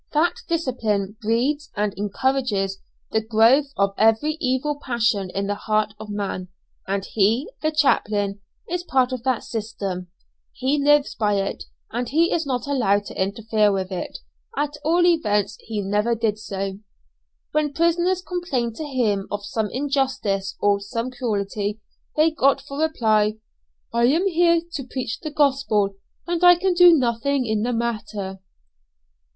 That discipline breeds and encourages the growth of every evil passion in the heart of man, and he, the chaplain, is part of that system: he lives by it, and he is not allowed to interfere with it, at all events he never did so. When prisoners complained to him of some injustice or some cruelty, they got for reply: "I am here to preach the Gospel, and I can do nothing in the matter."